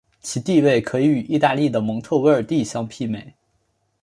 其地位可以与意大利的蒙特威尔第相媲美。